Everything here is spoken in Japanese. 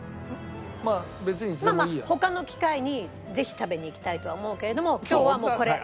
まあまあ他の機会にぜひ食べに行きたいとは思うけれども今日はもうこれ。